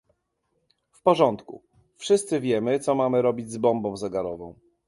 W porządku, wszyscy wiemy, co mamy robić z bombą zegarową